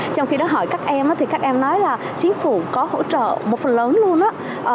trong khi đó hỏi các em thì các em nói là chính phủ có hỗ trợ một phần lớn luôn đó